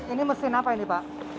ini mesin apa ini pak